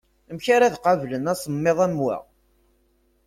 Amek ara qablen asemmiḍ am wa?